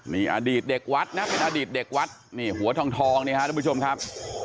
นี่อดีตเด็กวัดนะอดีตเด็กวัดหัวทองนี้ครับทุกผู้ชมครับ